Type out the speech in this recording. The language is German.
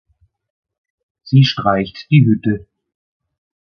Sie streicht die Hütte.